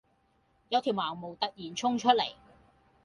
有條盲毛突然衝出嚟